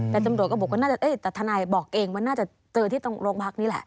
แต่ตำรวจก็บอกว่าน่าจะแต่ทนายบอกเองว่าน่าจะเจอที่ตรงโรงพักนี่แหละ